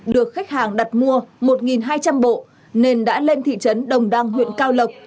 được khách hàng đặt mua một hai trăm linh bộ nên đã lên thị trấn đồng đăng huyện cao lộc